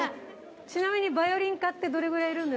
ちなみにヴァイオリン科ってどれぐらいいるんですか？